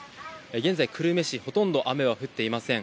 現在、久留米市ほとんど雨は降っていません。